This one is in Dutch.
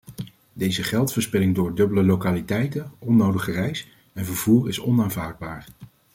Deze geldverspilling door dubbele lokaliteiten, onnodig gereis en vervoer is onaanvaardbaar.